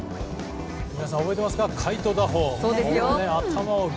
皆さん覚えてますか？